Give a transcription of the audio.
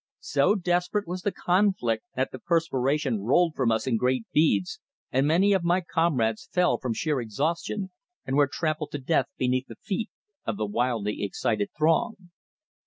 So desperate was the conflict that the perspiration rolled from us in great beads, and many of my comrades fell from sheer exhaustion, and were trampled to death beneath the feet of the wildly excited throng.